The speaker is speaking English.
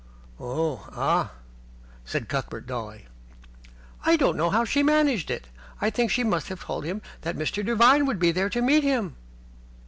"Oh, ah!" said Cuthbert, dully. "I don't know how she managed it. I think she must have told him that Mr. Devine would be there to meet him."